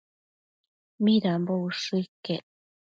Midambo ushë iquec